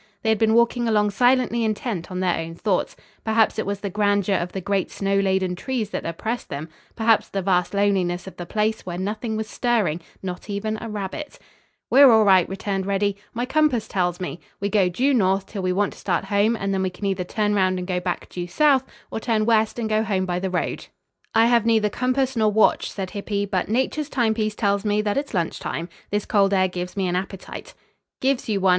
They had been walking along silently intent on their own thoughts. Perhaps it was the grandeur of the great snow laden trees that oppressed them; perhaps the vast loneliness of the place, where nothing was stirring, not even a rabbit. "We're all right," returned Reddy. "My compass tells me. We go due north till we want to start home and then we can either turn around and go back due south or turn west and go home by the road." "I have neither compass nor watch," said Hippy, "but nature's timepiece tells me that it's lunch time. This cold air gives me an appetite." "Gives you one?"